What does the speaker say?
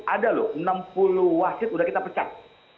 ada loh enam puluh wasit sudah kita pecah